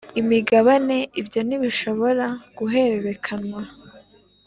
imigabane Ibyo ntibishobora guhererekanywa